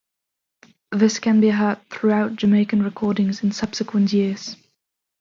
This can be heard throughout Jamaican recordings in subsequent years.